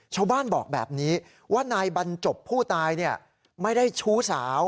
ชาวบ้านบอกแบบนี้ว่านายบรรจบผู้ตายไม่ได้ชู้สาว